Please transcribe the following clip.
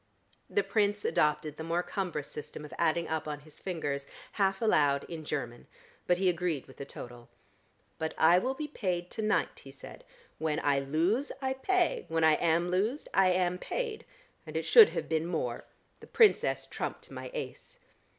The Prince adopted the more cumbrous system of adding up on his fingers, half aloud, in German, but he agreed with the total. "But I will be paid to night," he said. "When I lose, I pay, when I am losed I am paid. And it should have been more. The Princess trumped my ace."